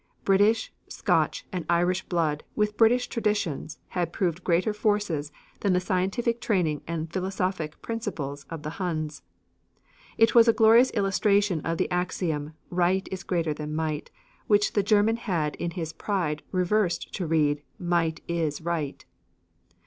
British, Scotch and Irish blood, with British traditions, had proved greater forces than the scientific training and philosophic principles of the Huns. It was a glorious illustration of the axiom "right is greater than might," which the German had in his pride reversed to read "might is right."